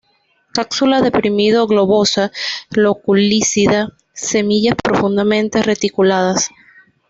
Cápsula deprimido-globosa, loculicida; semillas profundamente reticuladas.